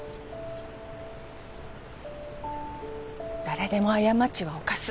誰でも過ちは犯す。